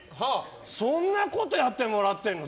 そんなことやってもらってるの？